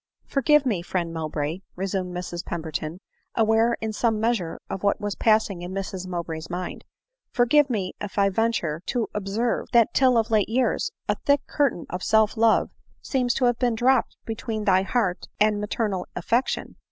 " Forgive me, friend Mowbray," resumed Mrs Pera berton, aware in some measure of what was passing in Mrs Mowbray's mind —" forgive me if I venture to ob serve, that till of late years, a thick curtain of self love seems to have been dropped between thy heart and ma ternal affection.